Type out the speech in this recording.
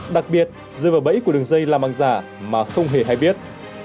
đặc biệt rơi vào bẫy của đường dây làm hàng giả mà không hề hay biết